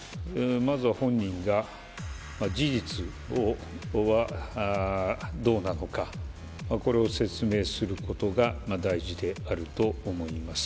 まずは本人が事実はどうなのか、これを説明することが大事であると思います。